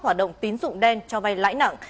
hoạt động tín dụng đen cho vay lãi nặng